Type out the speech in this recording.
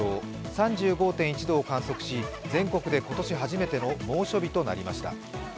３５．１度を観測し、全国で今年初めての猛暑日となりました。